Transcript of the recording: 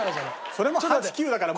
それも８９だから。